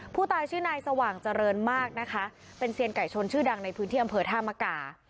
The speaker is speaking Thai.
ผู้ตายชื่อนายสว่างเจริญมากนะคะเป็นเซียนไก่ชนชื่อดังในพื้นที่อำเภอท่ามกา